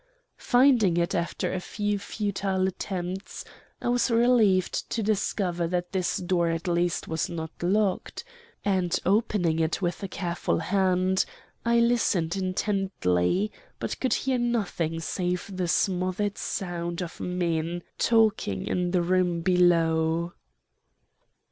Finding it after a few futile attempts, I was relieved to discover that this door at least was not locked; and, opening it with a careful hand, I listened intently, but could hear nothing save the smothered sound of men talking in the room below.